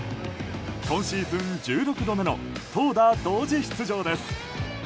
今シーズン１６度目の投打同時出場です。